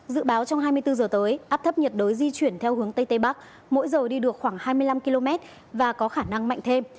dự báo trong hai mươi bốn giờ tới áp thấp nhiệt đới di chuyển theo hướng tây tây bắc mỗi giờ đi được khoảng hai mươi năm km và có khả năng mạnh thêm